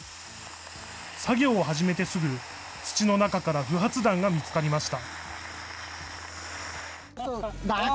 作業を始めてすぐ、土の中から不発弾が見つかりました。